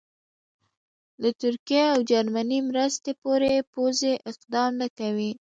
تر ترکیې او جرمني مرستې پورې پوځي اقدام نه کوي.